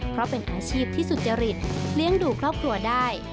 เพราะเป็นอาชีพที่สุจริตเลี้ยงดูครอบครัวได้